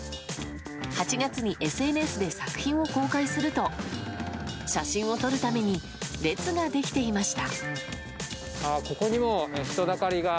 ８月にＳＮＳで作品を公開すると写真を撮るために列ができていました。